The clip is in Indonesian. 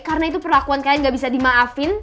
karena itu perlakuan kalian gak bisa dimaafin